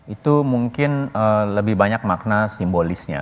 itu mungkin lebih banyak makna simbolisnya